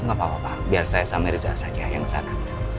nggak apa apa biar saya sama riza saja yang kesana